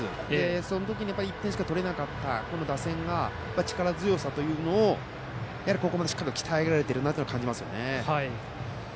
その時には１点しか取れなかった打線が力強さ、ここまでしっかり鍛え上げられえいると感じます。